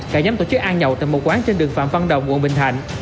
cả nhóm tổ chức ăn nhậu tại một quán trên đường phạm văn đồng quận bình thạnh